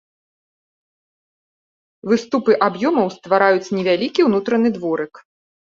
Выступы аб'ёмаў ствараюць невялікі ўнутраны дворык.